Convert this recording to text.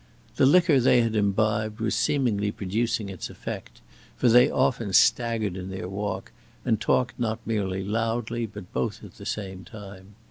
The liquor they had imbibed was seemingly producing its effect, for they often staggered in their walk, and talked not merely loudly but both at the same time.